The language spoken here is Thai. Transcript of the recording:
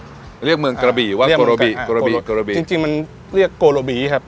เรียกเมืองกระบี่ว่าโกโรบิโกราบีโกโรบิจริงจริงมันเรียกโกโลบีครับ